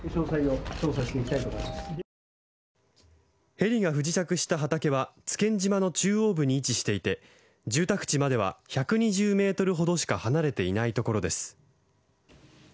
ヘリが不時着した畑は津堅島の中央部に位置していて住宅地までは１２０ｍほどしか離れていないところです。